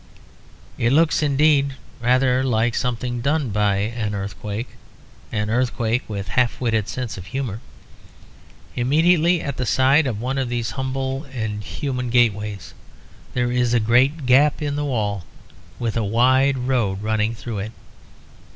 It looks indeed rather like something done by an earthquake; an earthquake with a half witted sense of humour. Immediately at the side of one of these humble and human gateways there is a great gap in the wall, with a wide road running through it.